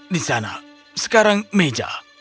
di sana sekarang meja